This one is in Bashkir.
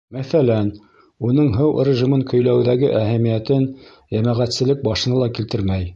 Мәҫәлән, уның һыу режимын көйләүҙәге әһәмиәтен йәмәғәтселек башына ла килтермәй.